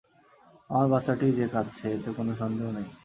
আমার বাচ্চাটিই যে কাঁদছে এতে কোনো সন্দেহ নেই।